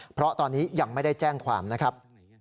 เพราะตอนนี้ยังไม่ได้แจ้งความนะครับ